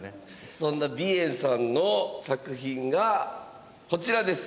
そんなＢＩＥＮさんの作品がこちらです。